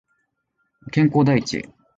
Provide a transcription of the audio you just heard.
健康第一